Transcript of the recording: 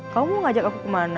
kamu mau ngajak aku kemana